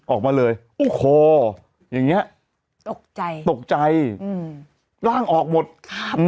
ออกมาเลยโอ้โหอย่างเงี้ยตกใจตกใจอืมร่างออกหมดครับ